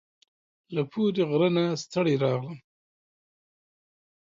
له پوري غره نه ستړي راغلم